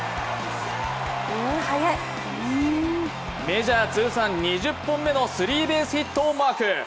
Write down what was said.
メジャー通算２０本目のスリーベースヒットをマーク。